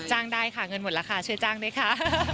จ้างได้ค่ะเงินหมดแล้วค่ะช่วยจ้างด้วยค่ะ